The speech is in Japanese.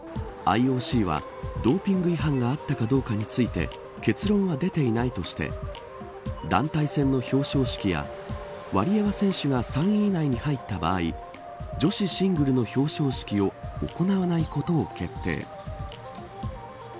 ＩＯＣはドーピング違反があったかどうかについて結論は出ていないとして団体戦の表彰式やワリエワ選手が３位以内に入った場合女子シングルの表彰式を行わないことを決定。